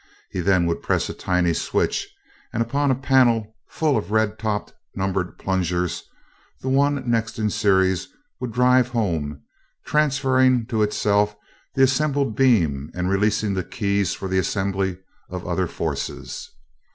He then would press a tiny switch and upon a panel full of red topped, numbered plungers; the one next in series would drive home, transferring to itself the assembled beam and releasing the keys for the assembly of other forces.